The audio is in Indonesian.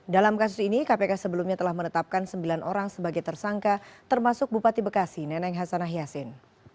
dalam kasus ini kpk sebelumnya telah menetapkan sembilan orang sebagai tersangka termasuk bupati bekasi neneng hasanah yassin